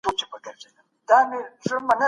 هغه دروغ چي خوندور وي وایم یې.